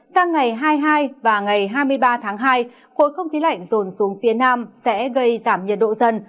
sang ngày hai mươi hai và ngày hai mươi ba tháng hai khối không khí lạnh rồn xuống phía nam sẽ gây giảm nhiệt độ dần